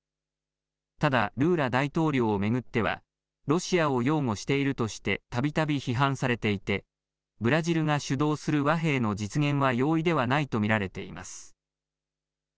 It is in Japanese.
ただルーラ大統領を巡ってはロシアを擁護しているとしてたびたび批判されていてブラジルが主導する和平の実現は容易ではないと見られています。